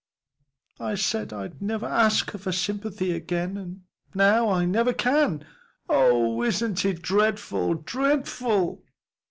I said I'd never ask her for sympathy again; and now I never can. Oh isn't it dreadful, dreadful!"